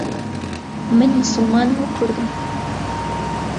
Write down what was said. من موسڵمانم و کوردم.